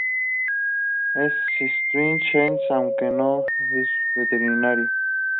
Es Straight Edge, aunque no es vegetariano.